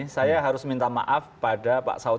saya harus minta maaf pada pak saud